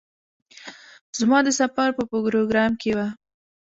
زما د سفر په پروگرام کې وه.